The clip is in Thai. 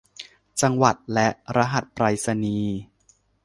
จังหวัดและรหัสไปรษณีย์